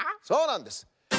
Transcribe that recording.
そうなんです。